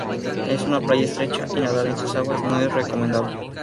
Es una playa estrecha y nadar en sus aguas no es recomendable.